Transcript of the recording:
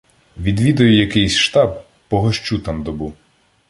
Відвідаю якийсь штаб, погощу там добу.